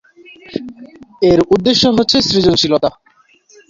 এর উদ্দেশ্য হচ্ছে সৃজনশীলতা।